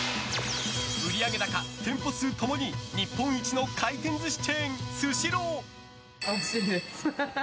売上高、店舗数共に日本一の回転寿司チェーン、スシロー。